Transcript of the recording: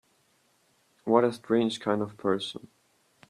What a strange kind of person!